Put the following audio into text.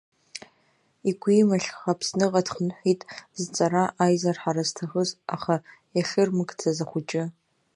Игәимахьха Аԥсныҟа дхынҳәит, зҵара аизырҳара зҭахыз, аха иахьырмыгӡаз ахәыҷы.